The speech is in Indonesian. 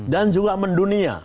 dan juga mendunia